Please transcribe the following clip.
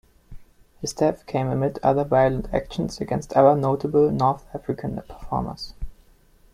His death came amid other violent actions against notable North African performers.